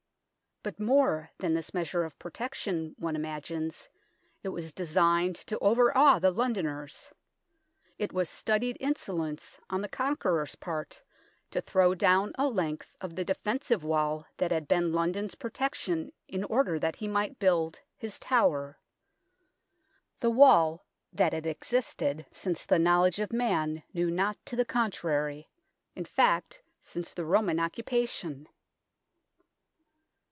But, more than this measure of protection, one imagines, it was designed to overawe the Londoners. It was studied insolence on the Conqueror's part to throw down a length of the defensive wall that had been London's protection in order that he might build his Tower; the wall that had existed since the knowledge of man knew not to the contrary in fact, since the Roman occupation.